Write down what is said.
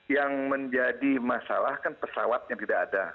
yang menjadi masalah kan pesawatnya tidak ada